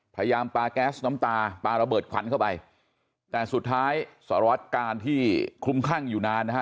พยายามปลาแก๊สน้ำตาปลาระเบิดขวัญเข้าไปแต่สุดท้ายสารวัตกาลที่คลุมคลั่งอยู่นานนะฮะ